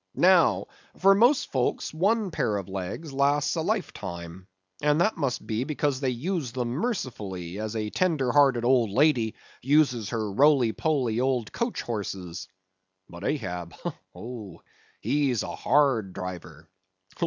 Now, for most folks one pair of legs lasts a lifetime, and that must be because they use them mercifully, as a tender hearted old lady uses her roly poly old coach horses. But Ahab; oh he's a hard driver.